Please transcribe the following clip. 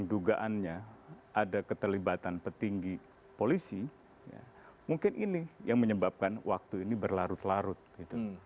jadi kalau di dugaannya ada keterlibatan petinggi polisi mungkin ini yang menyebabkan waktu ini berlarut larut gitu